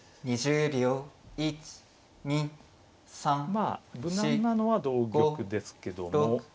まあ無難なのは同玉ですけども。